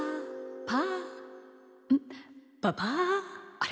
あれ？